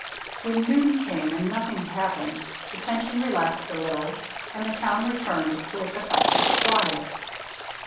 When noon came and nothing had happened the tension relaxed a little, and the town returned to its accustomed quiet.